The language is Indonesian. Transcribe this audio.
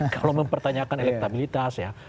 kalau mempertanyakan elektabilitas ya